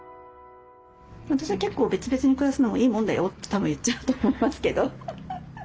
私は結構別々に暮らすのもいいもんだよってたぶん言っちゃうと思いますけど。